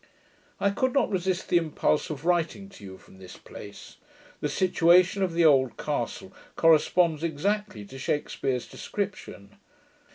I could not resist the impulse of writing to you from this place. The situation of the old castle corresponds exactly to Shakspeare's description.